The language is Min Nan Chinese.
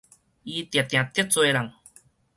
伊定定得罪人